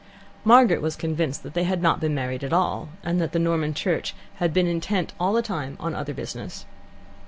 Margaret was convinced that they had not been married at all, and that the Norman church had been intent all the time on other business.